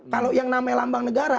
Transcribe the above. kalau yang namanya lambang negara